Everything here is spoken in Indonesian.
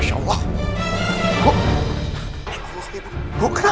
lihat saya ada di sana